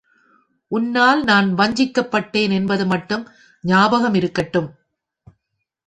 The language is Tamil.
உன்னால் நான் வஞ்சிக்கப் பட்டேன் என்பது மட்டும் ஞாபக மிருக்கட்டும்!